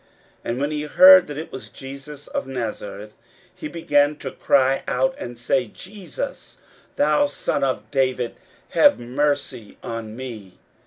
41:010:047 And when he heard that it was Jesus of Nazareth, he began to cry out, and say, Jesus, thou son of David, have mercy on me.